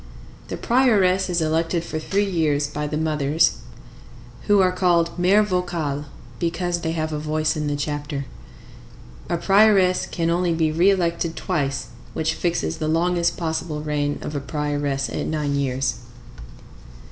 The prioress is elected for three years by the mothers, who are called mères vocales because they have a voice in the chapter. A prioress can only be re elected twice, which fixes the longest possible reign of a prioress at nine years.